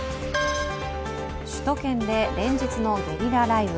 首都圏で連日のゲリラ雷雨。